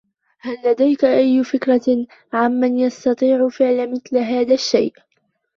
هل لديك أي فكرة عن من يستطيع فعل مِثل هذا الشيء ؟